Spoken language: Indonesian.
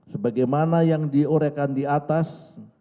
sebagaimana yang diurekan di atas